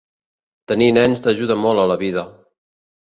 Tenir nens t'ajuda molt a la vida.